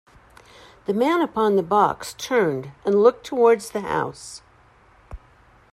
The man upon the box turned and looked towards the house.